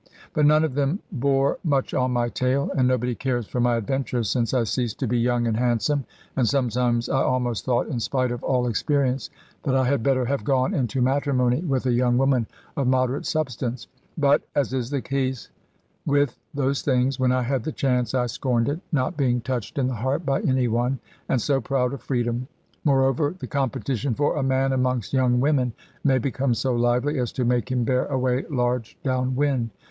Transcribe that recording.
But none of them bore much on my tale, and nobody cares for my adventures, since I ceased to be young and handsome; and sometimes I almost thought (in spite of all experience) that I had better have gone into matrimony with a young woman of moderate substance. But (as is the case with those things) when I had the chance I scorned it; not being touched in the heart by any one, and so proud of freedom. Moreover, the competition for a man amongst young women may become so lively as to make him bear away large down wind.